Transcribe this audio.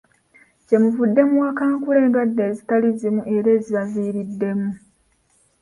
Kyemuvudde muwakankula endwadde ezitali zimu era ezibaviiriddemu.